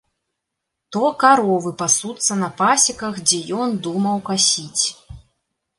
То каровы пасуцца на пасеках, дзе ён думаў касіць.